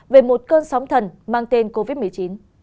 về một cơn sóng thần mang tên covid một mươi chín